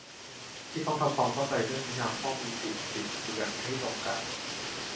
ที่ต้องทำความเข้าใจเรื่องนิยามข้อมูลบิดบิดเบือนให้ตรงกัน